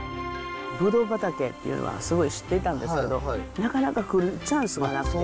ブドウ畑っていうのはすごい知っていたんですけどなかなか来るチャンスがなくて。